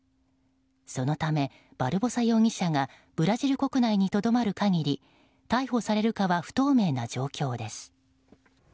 そのため、バルボサ容疑者がブラジル国内にとどまる限り逮捕されるかは不透明な状況です。